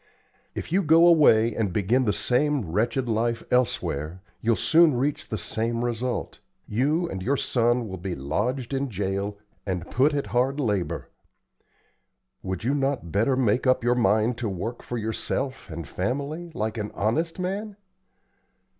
If you go away and begin the same wretched life elsewhere, you'll soon reach the same result; you and your son will be lodged in jail and put at hard labor. Would you not better make up your mind to work for yourself and family, like an honest man?